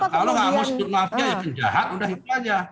kalau gak harus di maafin aja penjahat udah itu aja